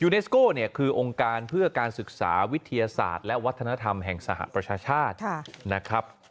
เนสโก้เนี่ยคือองค์การเพื่อการศึกษาวิทยาศาสตร์และวัฒนธรรมแห่งสหประชาชาตินะครับ